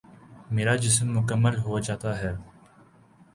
میرا جسم مکمل ہو جاتا ہے ۔